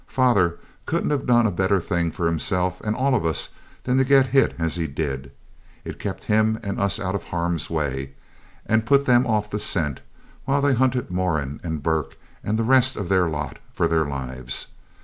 Father couldn't have done a better thing for himself and all of us than get hit as he did. It kept him and us out of harm's way, and put them off the scent, while they hunted Moran and Burke and the rest of their lot for their lives.